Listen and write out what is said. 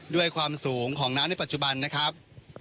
ด้วยความสูงของน้ำในปัจจุบันนะครับ